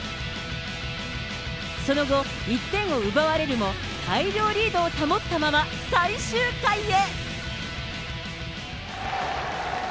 その後、１点を奪われるも大量リードを保ったまま、最終回へ。